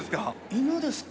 犬ですか？